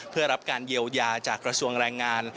เพื่อรับการเยียวยาจากกระทรวงแรงงาน